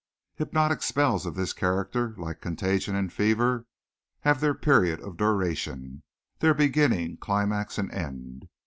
Hypnotic spells of this character like contagion and fever have their period of duration, their beginning, climax and end.